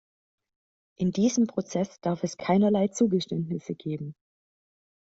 In diesem Prozess darf es keinerlei Zugeständnisse geben.